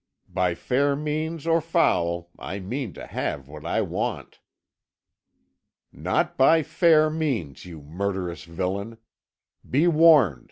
By fair means or foul I mean to have what I want." "Not by fair means, you murderous villain. Be warned.